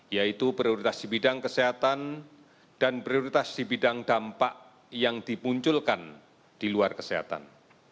yaitu prioritas di bidang kesehatan dan prioritas di bidang dampak yang dimunculkan di luar kesehatan